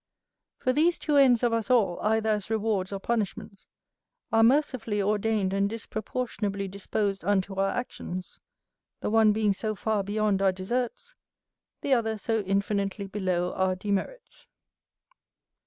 For these two ends of us all, either as rewards or punishments, are mercifully ordained and disproportionably disposed unto our actions; the one being so far beyond our deserts, the other so infinitely below our demerits.